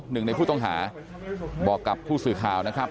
หนึ่งในผู้ต้องหาบอกกับผู้สื่อข่าวนะครับ